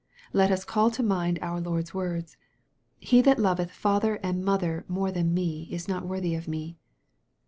Let us call to mind our Lord's words, " He that loveth father and mother more than me is not worthy of me."